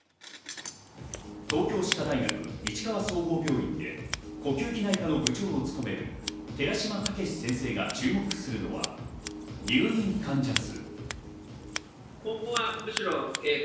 東京歯科大学市川総合病院で呼吸器内科の部長を務める寺嶋毅先生が注目するのは、入院患者数。